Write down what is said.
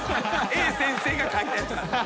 Ａ先生が書いたやつなんです。